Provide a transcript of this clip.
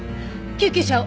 救急車を！